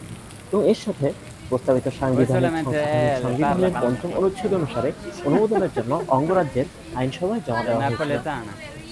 এবং এর সাথে, প্রস্তাবিত সাংবিধানিক সংশোধনী সংবিধানের পঞ্চম অনুচ্ছেদ অনুসারে অনুমোদনের জন্য অঙ্গরাজ্যের আইনসভায় জমা দেওয়া হয়েছিল।